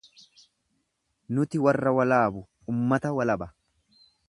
nuti warra walaabu, ummata walaba.